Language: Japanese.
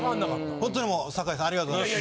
ほんとにもう酒井さんありがとうございます。